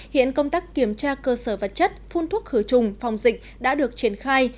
hiện công tác kiểm tra cơ sở vật chất phun thuốc khử trùng phòng dịch đã được triển khai